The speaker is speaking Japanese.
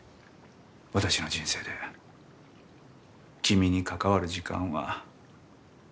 私の人生で君に関わる時間は終わった。